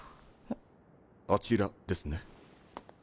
あちらですね？